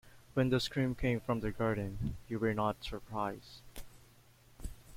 When the scream came from the garden you were not surprised.